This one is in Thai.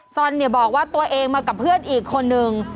ซอนเนี่ยบอกว่าตัวเองมากับเพื่อนอีกคนนึง